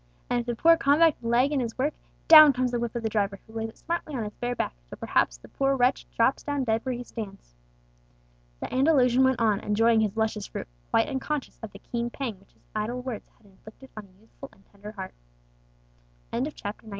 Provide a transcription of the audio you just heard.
and if the poor convict lag in his work, down comes the whip of the driver, who lays it smartly on his bare back, till perhaps the poor wretch drops down dead where he stands!" The Andalusian went on, enjoying his luscious fruit, quite unconscious of the keen pang which his idle words had inflicted on a youthful and tender heart. CHAPTER XX.